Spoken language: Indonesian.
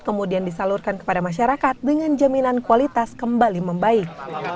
kemudian disalurkan kepada masyarakat dengan jaminan kualitas kembali membaik